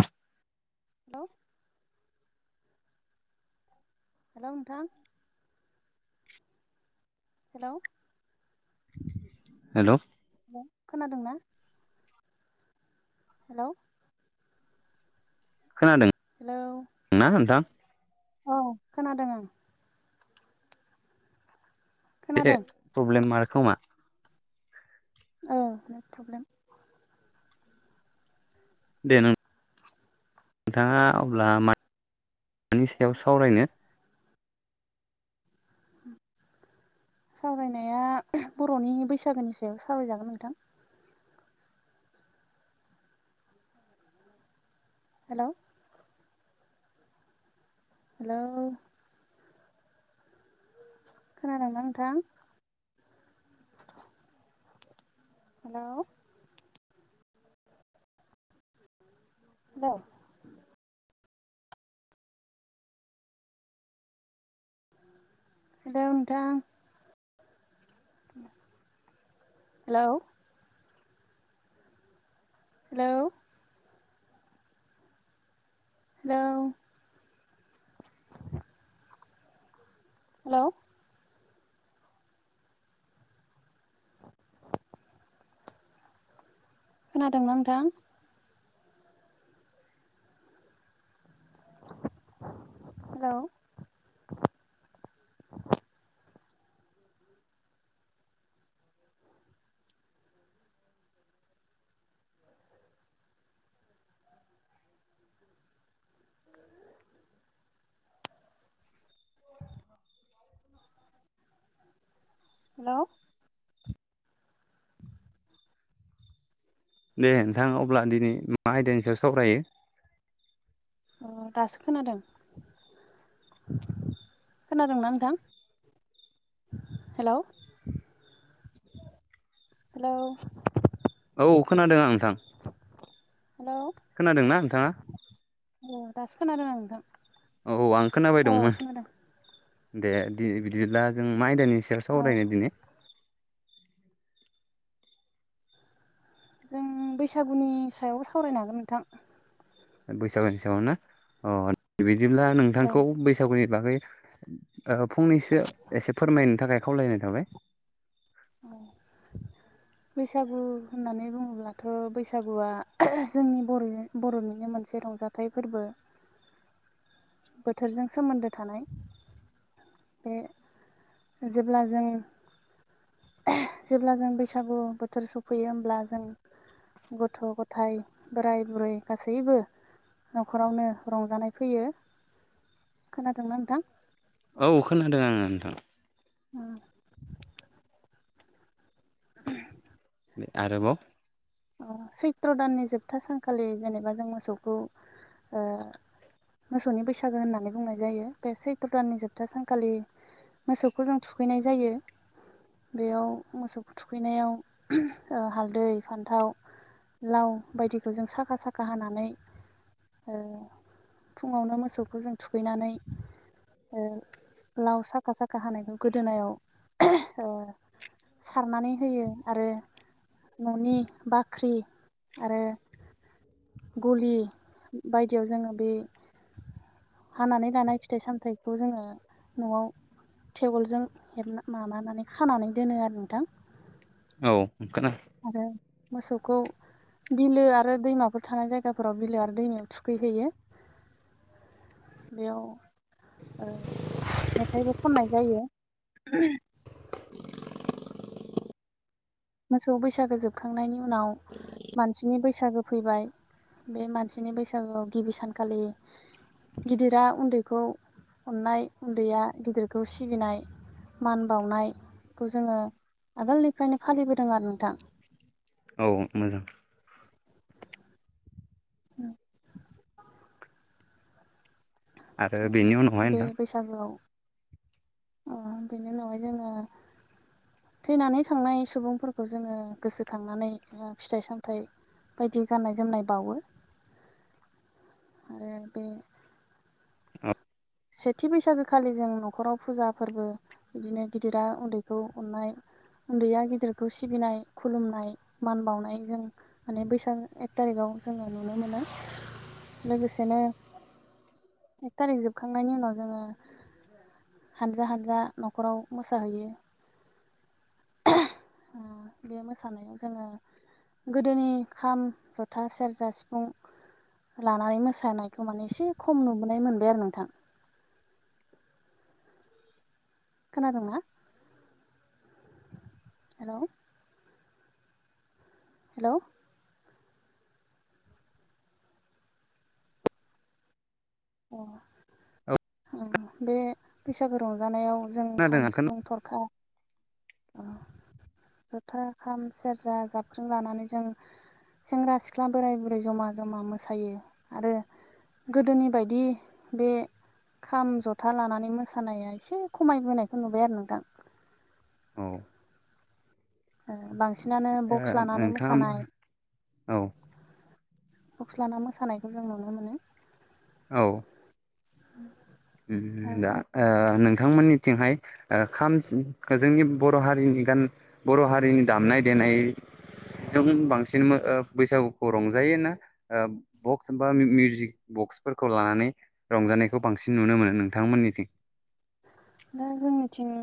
Hello! Hello नोंथां? Hello hello खोनादोंना? Hello खोनादों हेलौ ना नोंथां? औ खोनादों ओं। बे खोनादों प्रब्लेम मार खोमा। औ नेट प्रब्लेम। दे नोंथाङा अब्लानि सायाव सावरायनो? सावरायनाया बर'नि बैसागोनि सायाव सावरायजागोन नोंथां। हेलौ हेलौ खोनादों ना नोंथां? हेलौ हेलौ हेलौ नोंथां? हेलौ हेलौ हेलौ हेलौ खोनादोंना नोंथां? हेलौ हेलौ दे नोंथां अब्ला दिनै मा आयदानि सायाव सावरायो? अ दासो खोनादों। खोनादोंना नोंथां हेलौ हेलौ औ खोनादोंं आं नोंथां। हेलौ खोनादों ना नोंथाङा? उम दासो खोनादों नोंथां। औ आं खोनाबाय अ दंमोन खोनादों दे बिदिब्ला जों माइदानि सायाव अ सावरायनो दिनै जों बैसागुनि सायाव सावरायनो हागोन नोंथां। बैसागुनि सायाव ना अ बिदिब्ला औ नोंथांखौ बैसागुनि बागै फंनैसो एसे फोरमायनो थाखाय खावलायनाय थाबाय औ बैसागु होननानै बुङोब्लाथ' बैसागुआ जोंनि बर' बर'निनो मोनसे रंजा थाइ फोरबो बोथोरजों सोमोन्दो थानाय बे जेब्ला जों जेब्ला जों बैसागु बोथोर सफैयो होमब्ला जों गथ' गथाय बोराय बुरै गासैबो न'खरावनो रंजानाय फैयो। खोनादोंना नोंथां? औ खोनादों आङो नोंथां। [unintelligible] आरोबाव सैत्र' दाननि जोबथा सानखालि जेनेबा जों मोसौखौ ओ मोसौनि बैसागो होननानै बुंनाय जायो बे सैत्र दाननि जोबथा सानखालि मोसौखौ जों थुखैनाय जायो। बेयाव मोसौ थुखैनायाव ओ हालदै फान्थाव लाव बायदिखौ जों साखा साखा हानानै ओ फुङावनो मोसौखौ जों थुखैनानै ओ लाव साखा साखा हानायखौ गोदोनायाव ओ सारनानै होयो आरो न'नि बा ख्रि आरो गलि बायदियाव जोङो बे हानानै गायनाय फिथाइ सामथायाइखौ जोङो न'आव टेबोलजों हेब माबानानै खानानै दोनो आरो नोंथां औ खोनादों आरो मोसौखौ बिलो आरो दैमाफोर थानाय जायगाफोराव बिलो आरो दैमायाव थुखैहोयो। बेयाव ओ मेथाइबो खननाय जायो। मोसौ बैसागो जोबखांनायनि उनाव मानसिनि बैसागो फैबाय बे मानसिनि बैसागोआव गिबि सानखालि गिदिरा उन्दैखौ अननाय उन्दैया गिदिरखौ सिबिनाय मान बावनायखौ जोङो आगोलनिफ्रायनो फालिबोदों आरो नोंथां। औ मोजां उ [unintelligible] आरो बेनि उनावहाय बे नोंथां बैसागुआव ओम बेनि उनावहाय जोङो थैनानै थांनाय सुबुंफोरखौ जोङो गोसोखांनानै फिथाइ सामथाइ बायदि गाननाय जोमनाय बावो। आरो बे सेथि बैसागोखालि जों न'खराव फुजा फोरबो बिदिनो गिदिरा उन्दैखौ अननाय उन्दैया गिदिरखौ सिबिनाय खुलुमनाय मान बावनाय जों माने बैसाग एक थारिखाव जोङो नुनो मोनो। लोगोसेनो एक थारिख जोबखांनायनि उनाव जोङो हानजा हानजा न'खराव मोसाहैयो। [inaudible] बे मोसानायाव जोङो गोदोनि खाम जथा सेरजा सिफुं लानानै मोसानायखौ माने एसे खम नुोनाय मोनबाय आरो नोंथां। खोनादोंंना? [inaudible] हेल' हेलौ। औ [inaudible] बे बैसागु रंजानायाव जों खाम खोनादों खोना सिफुं दरखार जथा, खाम, सेरजा, जाबख्रि लानानै जों सेंग्रा सिख्ला बोराय बुरै जमा जमा मोसायो आरो गोदोनि बायदि बे खाम जथा लानानै मोसानाया एसे खमायबोनायखौ नुबाय आरो नोंथां। औ ओ बांसिनानो बक्स लानानै नोंथाङा मोसानाय औ बक्स लाना मोसानायखौ जों नुनो मोनो। औ उम दा मोनो ओ नोंथांमोननिथिंहाय ओ खाम जोंनि बर' हारिनि गान बर' हारिनि दामनाय देनाय जों बांसिन बैसागुखौ रंजायो होनना ओ बक्स बा मिउजिक बक्सफोरखौ लानानै रंजानायखौ बांसिन बांसिन नुनो मोनो नोंथांमोननिथिं। दा जोंनिथिं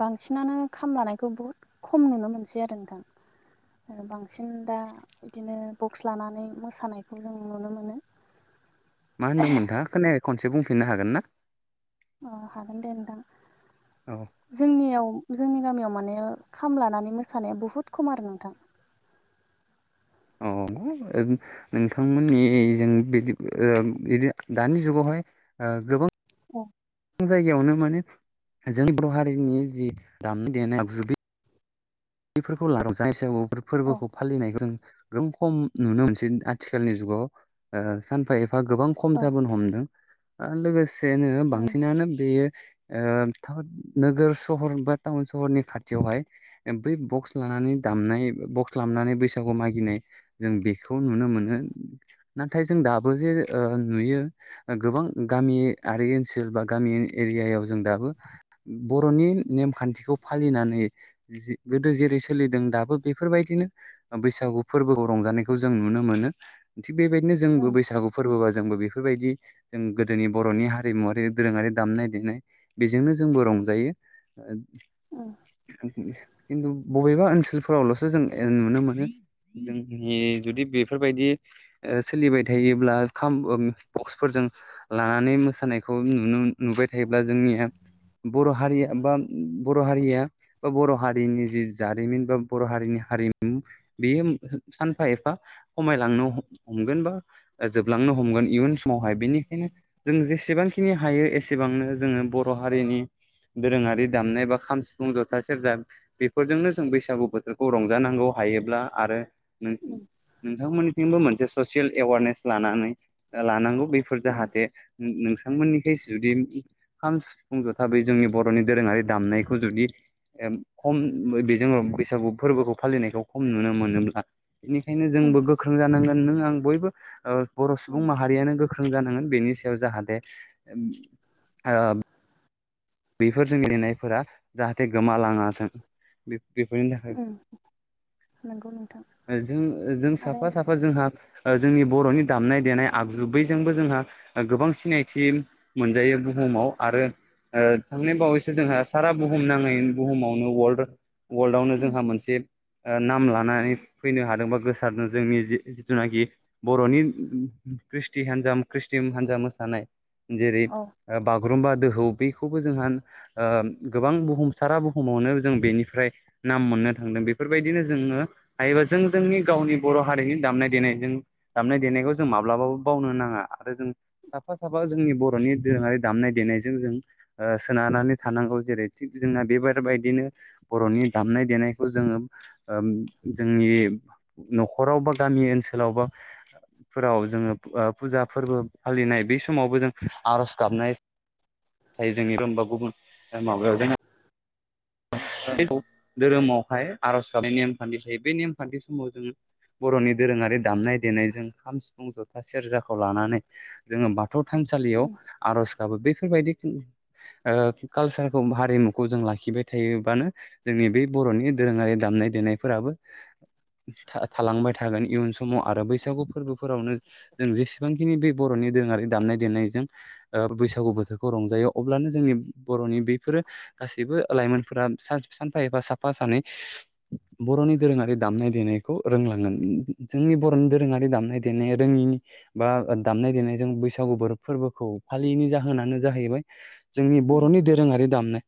बांसिनानो खाम लानायखौ बुहुद खम नुनो मोनसै आरो नोंथां। बांसिन दा बिदिनो बक्स लानानै मोसानायखौ जों नुनो मोनो। मा होनदोंमोन नोंथांआ खोनायाखै खनसे बुंफिननो हागोन ना? अ हागोन दे नोंथां। औ। जोंनियाव जोंनि गामियाव माने खाम लानानै मोसानाया बुहुद खम आरो नोंथां। औ। नोंथांमोननि जों बिदि ओ बिदि दानि जुगावहाय गोबां औ। जायगायावनो माने जोंनि बर' हारिनि जि दामनाय देनायाव जुब बेफोरखौ [unintelligible] हिसाबफोर औ फोरबोखौ फालिनायखौ जों गोम खम नुनो मोनसै। आथिखालनि जुगाव ओ सानफा एफा गोबां खम औ जाबोन हमदों ओ लोगोसेनो उम बांसिनानो बेयो ओ नोगोर सहर बा टाउन सहरनि खाथियावहाय एम बै बक्स लानानै दामनाय बक्स लामनानै बैसागु मागिनाय जों बेखौ नुनो मोनो नाथाय जों दाबो जे ओ नुयो ओ गोबां गामियारि ओनसोल बा गामि एरियायाव जों दाबो बर'नि नेमखान्थिखौ फालिनानै जि-जि गोदो जेरै सोलिदों दाबो बेफोरबायदिनो बैसागु फोरबोखौ रंजानायखौ जों नुनो मोनो। थिग बेबायदिनो जोंबो उम बैसागु फोरबोबा जोंबो बेफोरबायदि जों गोदोनि बर'नि हारिमुवारि दोरोङारि दामनाय देनाय बेजोंनो जोंबो रंजायो। ओ। खिन्थु बबेबा ओनसोलफोरावल'सो जों ए नुनो मोनो। जोंनि जुदि बेफोरबायदि ओ सोलिबाय थायोब्ला खाम अम बक्सफोरजों लानानै मोसानायखौ नुनो नुबाय थायोब्ला जोंनिया बर' हारिया बा बर' हारिया बा बर' हारिनि जि जारिमिन बा बर' हारिनि हारिमु बेयो सानफा एफा खमायलांनो ह हमगोन बा ओ जोबलांनो हमगोन इयुन समावहाय। बेनिखायनो जों जेसेबांखिनि हायो एसेबांनो जोङो बर' हारिनि दोरोङारि दामनाय एबा खाम सिफुं ज था सेरजा बेफोरजोंनो जों बैसागु बोथोरखौ रंजानांगौ हायोब्ला आरो नों उम नोंथांमोननिथिंबो मोनसे ससियेल एवारनेस लानानै। ओ लानांगौ बेफोर उम जाहाथे नों नोंथांमोननिखाय जुदि खाम, सिफुं, जथाबै जोंनि बर'नि दोरोङारि दामनायखौ जुदि एम खम बे जोंङो बैसागु फोरबोखौ फालिनायखौ खम नुनो मोनोब्ला बेनिखायनो उम जोंबो गोख्रों जानांगोन नों आं बयबो बर' उम सुबुं माहारियानो गो ख्रों जानांगोन बेनि सायाव जाहाथे ओ बेफोरजों गेलेनायफोरा जाहाथे गोमालाङाथों बे बेफोरनि थाखाय नोंगौ नोंथां। ओजों -ओजों आरो साफा-साफा जोंहा ओ जोंनि बर'नि दामनाय देनाय आगजु बैजोंबो जोंहा गोबां सिनायथि मोनजायो बुहुमाव आरो ओ थांनाय बावैसो जोंहा सारा बुहुम नाङै बुहुमावनो वर्ल्ड वर्ल्डआवनो उम जोंहा मोनसे ओ नाम लानानै फैनो हादोंबा गोसारदों जोंनि जि जिथुनाखि। बर'नि ख्रिस्टि हान्जा ख्रिस्टिम हान्जा मोसानाय। जेरै औ ओ बागुरुम्बा दोहौ बेखौबो जोंहा ओम गोबां बुहुमसारा बुहुमावनो जों बेनिफ्राय। नाम मोननो थांदों बेफोरबायदिनो जोङो। हायोबा जों जोंनि गावनि बर' हारिनि दामनाय देनाय जों दामनाय देनायखौ जों माब्लाबाबो बावनो नाङा आरो जों साफा-साफा जोंनि बर'नि दोरोङारि दामनाय देनायजों जों ओ सोनारनानै थानांगौ जेरै थिग जोंना बेफोरबायदिनो। बर'नि दामनाय देनायखौ जोङो ओम जोंनि न'खराव बा गामि ओनसोलावबा फोराव जोङो आ फुजा फोरबो फालिनाय बै समावबो जों आर'ज गाबनाय। थायो जोंनि रोमबा गुबुन ओ माबायाव [unintelligible] उम [unintelligible] धोरोमावहाय आर'ज गाबनाय नेमखान्थि जे बे नेमखान्थि समाव जोङो। बर'नि दोरोङारि दामनाय देनायजों खाम सिफुं जथा सेरजाखौ लानानै जोङो बाथौ बाथौ थानसालियाव उम आर'ज गाबो बेफोरबायदि कालसारखौ हारिमुखौ जों लाखिबाय थायोबानो जोंनि बे बर'नि दोरोङारि दामनाय देनायफोराबो थालांबाय थागोन इयुन समाव आरो बैसागु फोरबोफोरावनो जों जेसेबां खिनि बे बर'नि दोङारि दामनाय देनायजों बैसागु बोथोरखौ रंजायो अब्लानो जोंनि बर'नि बेफोरो गासैबो लाइमोनफोरा सानफा एबा साफा सानै बर'नि दोरोङारि दामनाय देनायखौ रोंलांगोन जोंनि बर'नि दोरोङारि दामनाय। जेंनाया रोङिनि बा दामनाय देनायजों बैसागु फोरबोखौ फालियैनि जाहोनानो जाहैबाय जोंनि उम बर'नि दोरोङारि दामनाय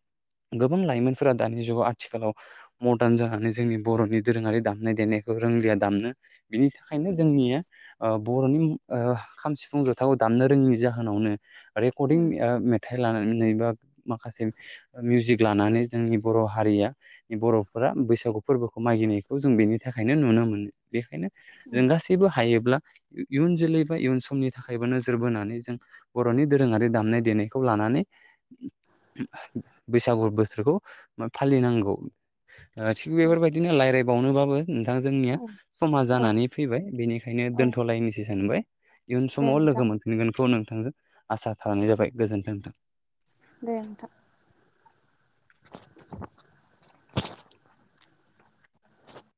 गोबां लाइमोनफोरा दानि जुगाव आथिखालाव मदार्न जानानै जोंनि बर'नि दोरोङारि दामनाय देनायखौ रोंलिया दामनो। बिनि थाखायनो जोंनिया बर'नि खाम सिफुं जथाखौ दामनो रोङिनि जाहोनावनो रेकर्डिं उम मेथाइ लानानै बा माखासे मिउजिक। लानानै जोंनि बर' हारिया बर'फोरा बैसागु फोरबोखौ मागिनायखौ जों बेनि थाखायनो नुनो मोनो बेखायनो जों गासै बो हायोब्ला इयुन जोलै बा इयुन समनि थाखायबो नोजोर बोनानै जों बर'नि दोरोङारि दामनाय देनायखौ लानानै बैस [unintelligible] बोसोरखौ फालिनांगौ। थिग उम बेफोरबायदिनो रायलायबावनोबाबो नोंथां जोंनिया उम समा औ जानानै फैबाय बेनिखायनो औ दोनथ'लायनोसै सानबाय इयुन दे समाव नोंथां लोगो मोन मोनगोनखौ नोंथांजों आसा खालामनाय जाबाय गोजोन्थों नोंथां। दे नोंथां।